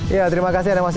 iya terima kasih ada mas